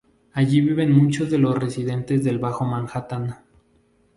Allí viven muchos de los residentes del Bajo Manhattan.